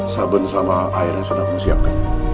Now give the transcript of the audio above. sabun sama airnya sudah kamu siapkan